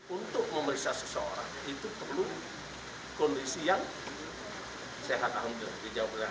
untuk memeriksa seseorang itu perlu kondisi yang sehat aham dan hijau berada